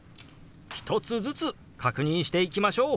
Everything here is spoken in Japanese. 一つずつ確認していきましょう。